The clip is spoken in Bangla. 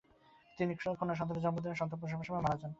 তিনি কন্যা সন্তানের জন্ম দেন এবং সন্তান প্রসবের সময় মারা যান।